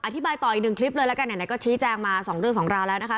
อธิบายต่ออีกหนึ่งคลิปเลยละกันไหนก็ชี้แจงมาสองเรื่องสองราวแล้วนะคะ